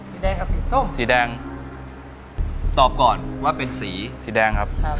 สีแดงครับสีส้มสีแดงตอบก่อนว่าเป็นสีสีแดงครับ